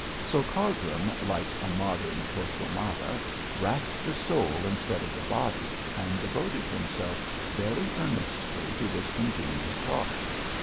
So Cargrim, like a modern Torquemada, racked the soul instead of the body, and devoted himself very earnestly to this congenial talk.